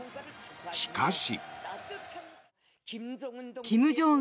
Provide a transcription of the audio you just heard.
しかし。